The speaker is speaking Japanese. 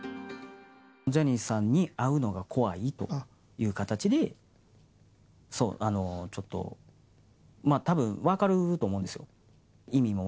ジャニーさんに会うのが怖いという形で、ちょっと、まあたぶん、分かると思うんですよ。